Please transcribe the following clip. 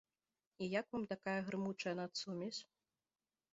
І як вам такая грымучая нацсумесь?